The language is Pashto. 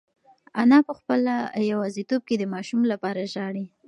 انا په خپله یوازیتوب کې د ماشوم لپاره ژاړي.